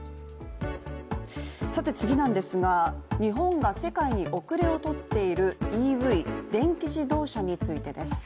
次は日本が世界に後れを取っているＥＶ＝電気自動車についてです。